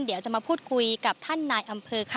เดี๋ยวจะมาพูดคุยกับท่านนายอำเภอค่ะ